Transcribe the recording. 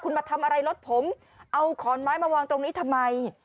คุณมาทำอะไรรถผมเอาขอนไม้มาวางตรงนี้ทำไม